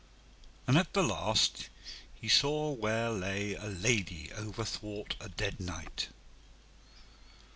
And at the last he saw where lay a lady overthwart a dead knight.